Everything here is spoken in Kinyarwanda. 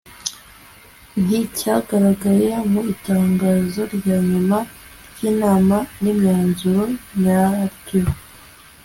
nticyagaragaye mu itangazo rya nyuma ry'inama n'imyanzuro yaryo